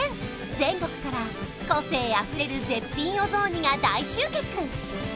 全国から個性あふれる絶品お雑煮が大集結